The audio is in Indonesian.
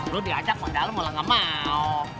lo diajak ke dalam kalau gak mau